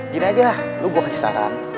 gini aja lu gue kasih saran